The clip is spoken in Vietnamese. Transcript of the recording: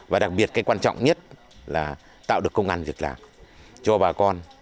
và đặc biệt cái quan trọng nhất là tạo được công an việc làm cho bà con